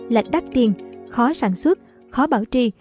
là đắt tiền khó sản xuất khó bảo trì